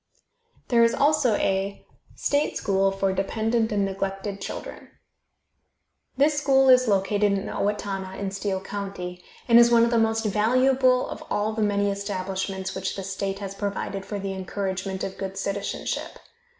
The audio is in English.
There is also a STATE SCHOOL FOR DEPENDENT AND NEGLECTED CHILDREN. This school is located at Owatonna, in Steele county, and is one of the most valuable of all the many establishments which the state has provided for the encouragement of good citizenship.